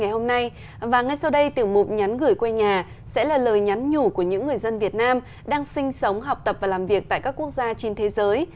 hôm nay tiểu mục nhắn gửi quay nhà sẽ là lời nhắn nhủ của những người dân việt nam đang sinh sống học tập và làm việc tại các quốc gia trên thế giới